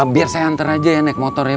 biar saya anter aja ya naik motor ya